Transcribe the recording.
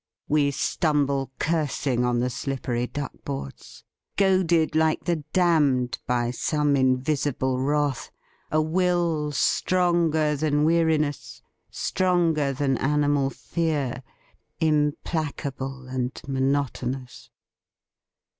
We stumble, cursing, on the slippery duck boards. Goaded like the damned by some invisible wrath, A will stronger than weariness, stronger than animal fear, Implacable and monotonous.